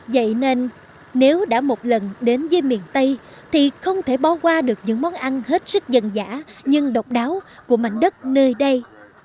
vậy nên nếu đã một lần đến với miền tây thì không thể bỏ qua được những món ăn hết sức dân dã nhưng độc đáo của mảnh đất nơi đây